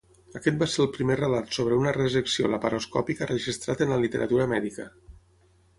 Aquest va ser el primer relat sobre una resecció laparoscòpica registrat en la literatura mèdica.